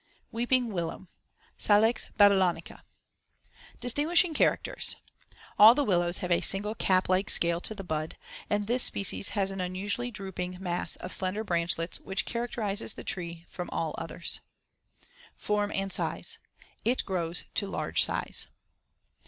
WEEPING WILLOW (Salix babylonica) Distinguishing characters: All the willows have a single cap like scale to the bud, and this species has an unusually *drooping mass of slender branchlets* which characterizes the tree from all others, Fig. 47. [Illustration: FIG. 47. Weeping Willow.] Form and size: It grows to large size.